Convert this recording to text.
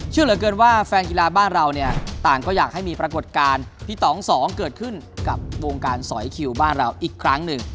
เชื่อเหลือเกินว่าแฟนกีฬาบ้านเราเนี่ยต่างก็อยากให้มีปรากฏการณ์พี่ต่องสองเกิดขึ้นกับวงการสอยคิวบ้านเราอีกครั้งหนึ่ง